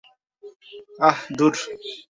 আহ, ধুর!